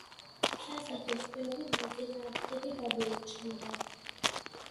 სასახლეს ბევრი მოწინააღმდეგე გამოუჩნდა.